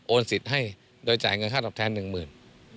สิทธิ์ให้โดยจ่ายเงินค่าตอบแทนหนึ่งหมื่น